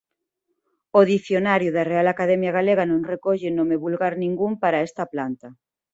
O dicionario da Real Academia Galega non recolle nome vulgar ningún para esta planta.